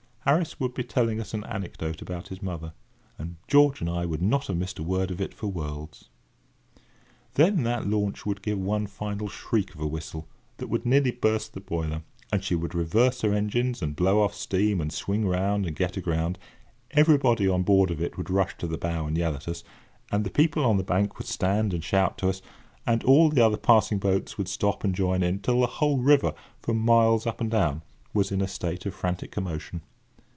Harris would be telling us an anecdote about his mother, and George and I would not have missed a word of it for worlds. Then that launch would give one final shriek of a whistle that would nearly burst the boiler, and she would reverse her engines, and blow off steam, and swing round and get aground; everyone on board of it would rush to the bow and yell at us, and the people on the bank would stand and shout to us, and all the other passing boats would stop and join in, till the whole river for miles up and down was in a state of frantic commotion.